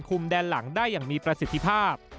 แดนหลังได้อย่างมีประสิทธิภาพ